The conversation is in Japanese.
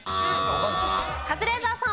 カズレーザーさん。